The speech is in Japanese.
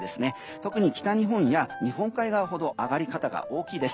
特に北日本や日本海側ほど上がり方が大きいです。